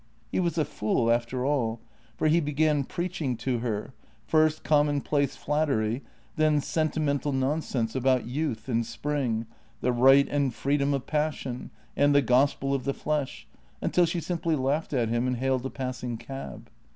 He was a fool, after all, for he began preaching to her — first com monplace flattery, then sentimental nonsense about youth and spring, the right and freedom of passion, and the gospel of the flesh, until she simply laughed at him and hailed a passing cab.